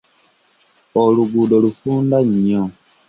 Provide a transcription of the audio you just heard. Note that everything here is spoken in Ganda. Oluguudo lufunda nnyo.